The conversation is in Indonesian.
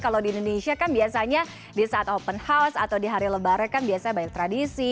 kalau di indonesia kan biasanya di saat open house atau di hari lebaran kan biasanya banyak tradisi